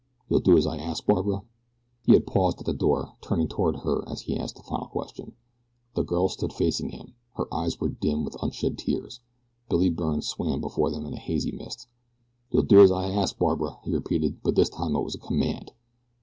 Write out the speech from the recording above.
You'll do as I ask, Barbara?" He had paused at the door, turning toward her as he asked the final question. The girl stood facing him. Her eyes were dim with unshed tears. Billy Byrne swam before them in a hazy mist. "You'll do as I ask, Barbara!" he repeated, but this time it was a command.